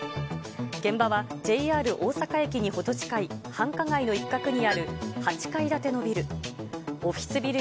現場はＪＲ大阪駅にほど近い繁華街の一角にある８階建てのビル。